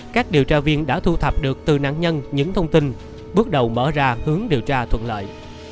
các điều tra viên đã thu thập được từ nạn nhân những thông tin bước đầu mở ra hướng điều tra thuận lợi